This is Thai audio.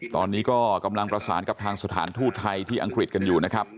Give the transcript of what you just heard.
ตอนนี้ก็กำลังประสานกับทางสถานทูตไทยที่อังกฤษกันอยู่นะครับ